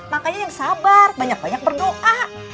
makanya yang sabar banyak banyak berdoa